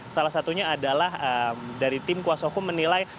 salah satunya adalah dari tim kuasa hukum menilai